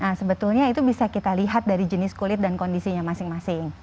nah sebetulnya itu bisa kita lihat dari jenis kulit dan kondisinya masing masing